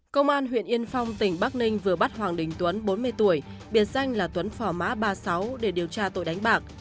công an huyện yên phong tỉnh bắc ninh vừa bắt hoàng đình tuấn bốn mươi tuổi biệt danh là tuấn phò má ba mươi sáu để điều tra tội đánh bạc